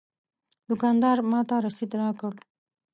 دوکاندار ماته رسید راکړ.